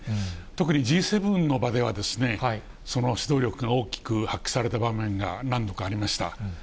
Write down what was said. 特に、Ｇ７の場ではその指導力が大きく発揮された場面が何度かありました。